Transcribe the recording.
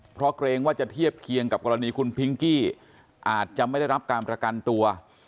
เพราะเกรงว่าจะเทียบเคียงกับกรณีคุณพิงกี้อาจจะไม่ได้รับการประกันตัว